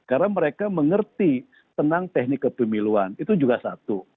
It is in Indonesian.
karena mereka mengerti tentang teknik kepemiluan itu juga satu